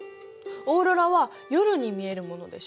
オーロラは夜に見えるものでしょ。